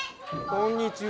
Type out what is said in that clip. こんにちは。